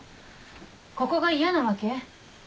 ここが嫌なわけ？